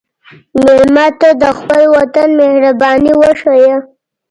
مېلمه ته د خپل وطن مهرباني وښیه.